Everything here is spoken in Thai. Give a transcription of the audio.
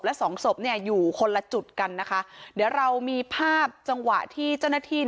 และสองศพอยู่คนละจุดกันนะคะเดี๋ยวเรามีภาพจังหวะที่เจ้าหน้าที่